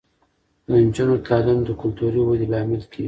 د نجونو تعلیم د کلتوري ودې لامل کیږي.